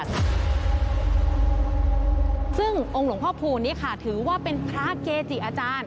ซึ่งองค์หลวงพ่อพูนนี้ค่ะถือว่าเป็นพระเกจิอาจารย์